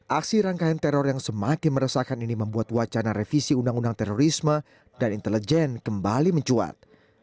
aksi rangkaian teror yang semakin meresahkan ini membuat wacana revisi undang undang terorisme dan intelijen kembali mencuat